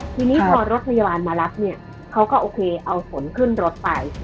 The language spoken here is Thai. ทีนี้พอรถพยาบาลมารับเนี่ยเขาก็โอเคเอาฝนขึ้นรถไป